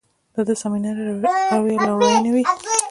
د ده د صمیمانه رویې لورونې وې.